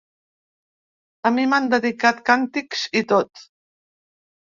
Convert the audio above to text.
A mi m’han dedicat càntics i tot.